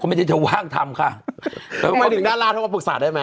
ไม่เอาหรอกแม่